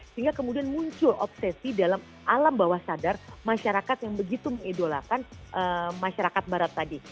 sehingga kemudian muncul obsesi dalam alam bawah sadar masyarakat yang begitu mengidolakan masyarakat barat tadi